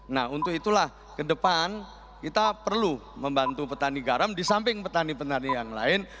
nah untuk itulah kedepan kita perlu membantu petani garam disamping petani petani yang lain